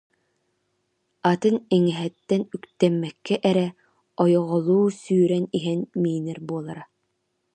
Атын иҥэһэттэн үктэммэккэ эрэ ойоҕолуу сүүрэн иһэн миинэр буолара